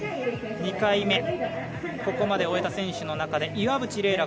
２回目、ここまで終えた選手の中で岩渕麗